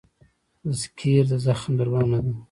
د سکېر د زخم درملنه ده.